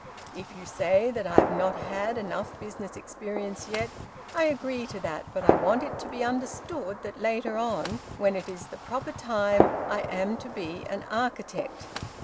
If you say that I have not had enough business experience yet, I agree to that, but I want it to be understood that later on, when it is the proper time, I am to be an architect.